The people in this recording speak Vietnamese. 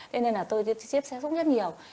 thế nên là tôi tiếp xét rất nhiều